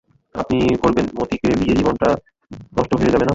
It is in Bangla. আপনি করবেন মতিকে বিয়ে জীবনটা আপনার নষ্ট হয়ে যাবে না?